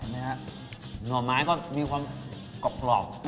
หน่อไม้ก็มีความกรอบ